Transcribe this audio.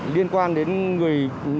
liên quan đến người